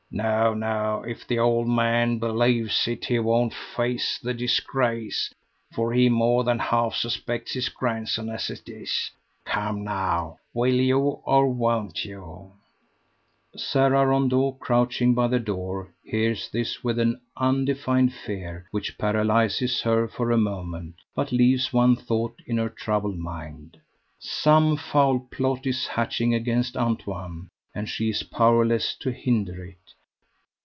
No, no; if the old man believes it, he won't face the disgrace, for he more than half suspects his grandson as it is. Come now, will you or won't you?" Sara Rondeau, crouching by the door, hears this with an undefined fear which paralyses her for a moment, but leaves one thought in her troubled mind. Some foul plot is hatching against Antoine, and she is powerless to hinder it.